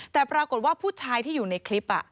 แต่ปรากฏว่าผู้ชายที่อยู่ในคลิป